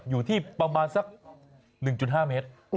อยู่ที่ประมาณสัก๑๕เมตร